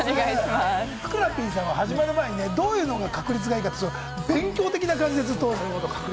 ふくらＰさんは始まる前にどういうのが確率がいいかって話してたんですよ。